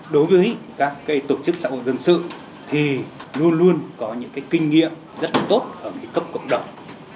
đối với các tổ chức xã hội dân sự thì luôn luôn có những kinh nghiệm rất là tốt ở cấp cộng đồng